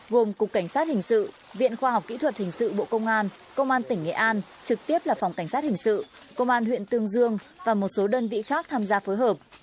gồm cục cảnh sát hình sự viện khoa học kỹ thuật hình sự bộ công an công an tỉnh nghệ an trực tiếp là phòng cảnh sát hình sự công an huyện tương dương và một số đơn vị khác tham gia phối hợp